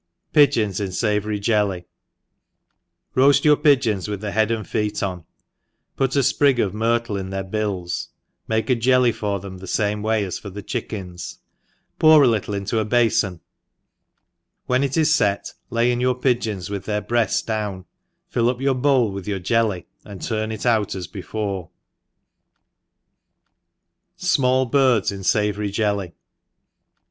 r Pigeons in Savoiwt Jellv, ROAST your pigeons with the head and feet on, put a fprig of myrtlje in their bills, make a jelly for them thefame way as for the chickens, pour a little into a bafon, when it is fet lay in the pigeons with their breailsdown, fill up your bowl with your jelly, and turn it oulas before^ ■ Sma/IBiKDs in Savory Jelly.